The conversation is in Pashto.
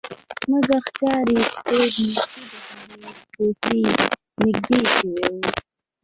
مګر ښکاري سپي بیخي د هغه په پسې نږدې شوي وو